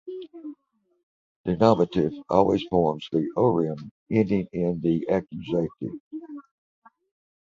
The nominative always forms the "-orem" ending in the accusative.